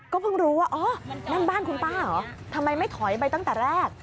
เพิ่งรู้ว่าอ๋อนั่นบ้านคุณป้าเหรอทำไมไม่ถอยไปตั้งแต่แรก